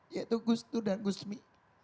yaitu gus dur dan gus mi